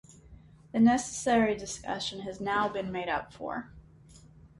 The necessary discussion has now been made up for.